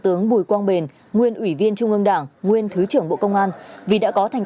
tướng bùi quang bền nguyên ủy viên trung ương đảng nguyên thứ trưởng bộ công an vì đã có thành